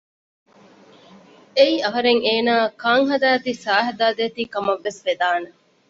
އެއީ އަހަރެން އޭނާއަށް ކާން ހަދައިދީ ސައި ހަދައި ދޭތީ ކަމަށްވެސް ވެދާނެ